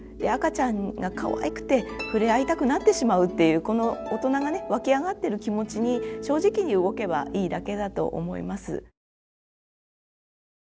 赤ちゃんがかわいくて触れ合いたくなってしまうっていうこの大人がね湧き上がってる気持ちに正直に動けばいいだけだと思います。